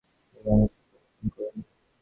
তিনি বাংলাদেশে প্রত্যাবর্তন করেন।